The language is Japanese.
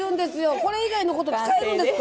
これ以外のこと使えるんですか？